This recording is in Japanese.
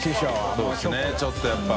そうですねちょっとやっぱり。